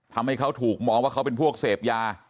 ทำให้เขาถูกมองว่าเขาเป็นพวกเสพยา